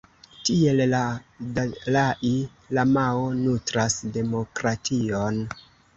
Tiel la dalai-lamao nutras demokration.